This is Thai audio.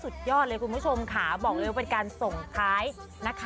สุดยอดเลยคุณผู้ชมค่ะบอกเลยว่าเป็นการส่งของคุณผู้ชมค่ะ